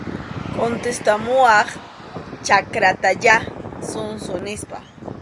Contestamuwaq chakratayá, zonzo, nispa.